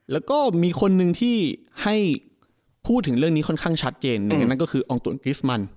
แล้วก็มีคนหนึ่งที่ให้พูดถึงเรื่องนี้ค่อนข้างชัดเจนหนึ่งอย่างนั้นก็คืออองตุ๋นคริสมัน